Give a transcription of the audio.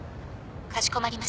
かしこまりました。